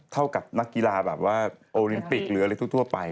เท่ากับนักกีฬาแบบว่าโอลิมปิกหรืออะไรทั่วไป